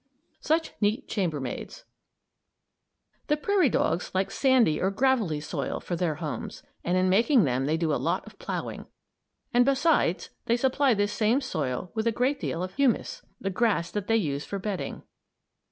SUCH NEAT CHAMBERMAIDS! The prairie dogs like sandy or gravelly soil for their homes, and in making them they do a lot of ploughing. And besides they supply this same soil with a great deal of humus the grass that they use for bedding.